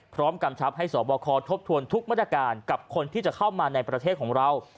กำชับให้สบคทบทวนทุกมาตรการกับคนที่จะเข้ามาในประเทศของเรา